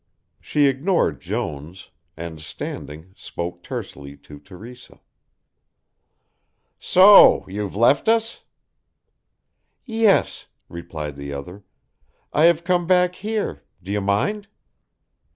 She ignored Jones, and, standing, spoke tersely to Teresa. "So you have left us?" "Yes," replied the other. "I have come back here, d'you mind?"